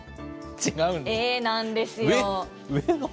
Ａなんですよ。